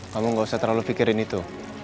kamu gak usah terlalu pikirin itu